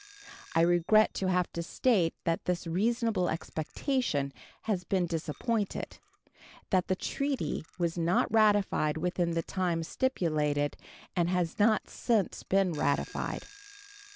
I regret to have to state that this reasonable expectation has been disappointed; that the treaty was not ratified within the time stipulated and has not since been ratified.